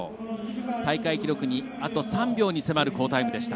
大会記録にあと３秒に迫る好タイムでした。